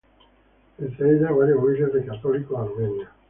Entre ellos varios miles de católicos armenios.